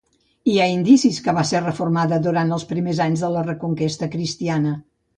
Hi ha indicis que va ser reformada durant els primers anys de la Reconquesta cristiana.